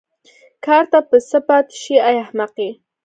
کار ته به څه پاتې شي ای احمقې.